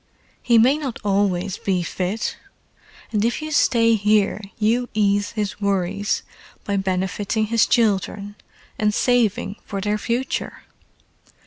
"He may not always be fit. And if you stay here you ease his worries by benefiting his children—and saving for their future.